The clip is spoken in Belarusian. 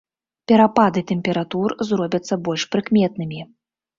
Перапады тэмператур зробяцца больш прыкметнымі.